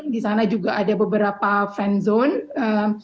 di sana juga ada beberapa fan zone